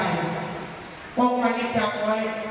โป์ความพิจักรไว้